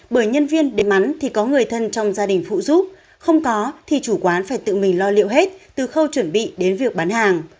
bởi nhân viên đến ăn thì có người thân trong gia đình phụ giúp không có thì chủ quán phải tự mình lo liệu hết từ khâu chuẩn bị đến việc bán hàng